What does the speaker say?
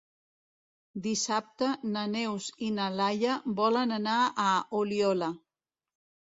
Dissabte na Neus i na Laia volen anar a Oliola.